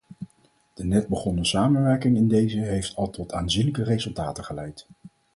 De net begonnen samenwerking in dezen heeft al tot aanzienlijke resultaten geleid.